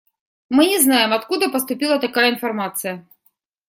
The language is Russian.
Мы не знаем, откуда поступила такая информация.